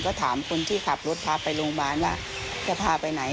ก็ถามคนที่ขับรถพาไปโรงพยาบาลว่าจะพาไปไหน